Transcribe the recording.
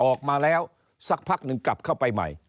ออกมาแล้วสักพักหนึ่งกลับเข้าไปใหม่